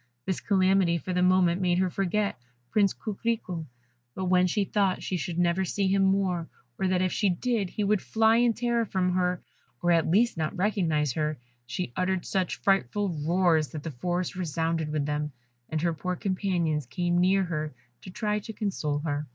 This calamity for the moment made her forget Prince Coquerico; but when she thought she should never see him more, or that if she did, he would fly in terror from her, or at least not recognise her, she uttered such frightful roars that the forest resounded with them, and her poor companions came near her to try to console her.